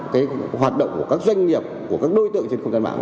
cái hoạt động của các doanh nghiệp của các đối tượng trên công trang mạng